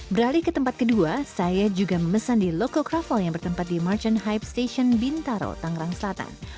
beralih ke tempat kedua saya juga memesan di loko kroffel yang bertempat di merchant hype station bintaro tangerang selatan